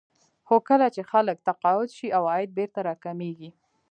خو کله چې خلک تقاعد شي عواید بېرته راکمېږي